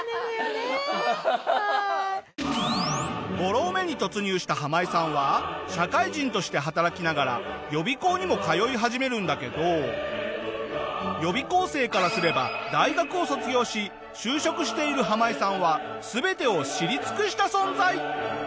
５浪目に突入したハマイさんは社会人として働きながら予備校にも通い始めるんだけど予備校生からすれば大学を卒業し就職しているハマイさんは全てを知り尽くした存在！